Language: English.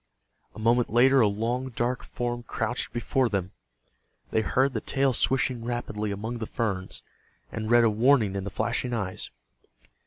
A moment later a long dark form crouched before them. They heard the tail swishing rapidly among the ferns, and read a warning in the flashing eyes.